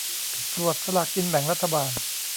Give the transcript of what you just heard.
ตรวจสลากกินแบ่งรัฐบาล